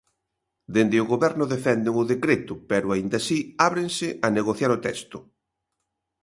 Dende o Goberno defenden o decreto pero, aínda así, ábrense a negociar o texto.